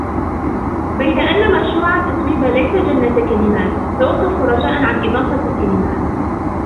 بَيْدَ أن مشروع تتويبا ليس " جنّة كلمات ". توقفوا رجاءً عن إضافة الكلمات.